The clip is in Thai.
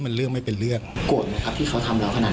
มันเรื่องไม่เป็นเรื่องโกรธไหมครับที่เขาทำเราขนาด